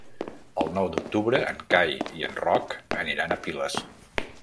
El nou d'octubre en Cai i en Roc aniran a Piles.